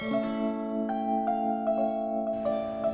selalu mama yang cari solusi